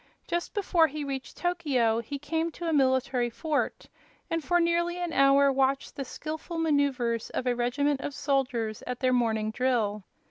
Just before he reached Tokio he came to a military fort, and for nearly an hour watched the skilful maneuvers of a regiment of soldiers at their morning drill.